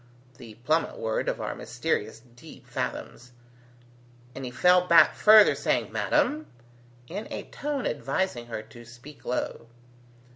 the plummet word of our mysterious deep fathoms; and he fell back further saying, "Madam?" in a tone advising her to speak low.